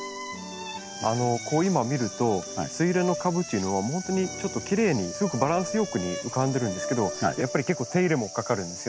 今見るとスイレンの株っていうのは本当にちょっときれいにすごくバランス良く浮かんでるんですけどやっぱり結構手入れもかかるんですよね。